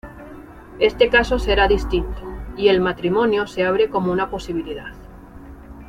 Este caso será distinto, y el matrimonio se abre como una posibilidad.